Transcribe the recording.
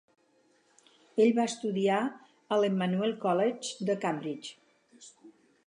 Ell va estudiar a l'Emmanuel College de Cambridge.